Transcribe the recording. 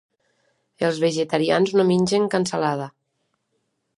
Els vegetarians no mengen cansalada.